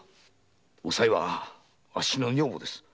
おさいはあっしの女房です。